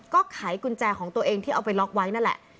ก็ไขกุญแจของตัวเองที่เอาไปล็อกไว้นั่นแหละ